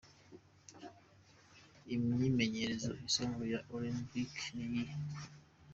Imyimenyerezo isanzwe ya ' aerobic' n'iyihe?.